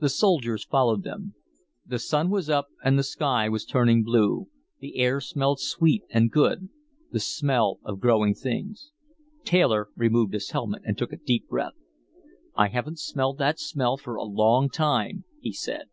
The soldiers followed them. The Sun was up and the sky was turning blue. The air smelled sweet and good, the smell of growing things. Taylor removed his helmet and took a deep breath. "I haven't smelled that smell for a long time," he said.